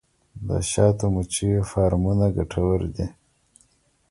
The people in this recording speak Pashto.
د شاتو مچیو فارمونه ګټور دي